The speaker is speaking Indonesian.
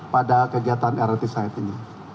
pada kegiatan lrt said ini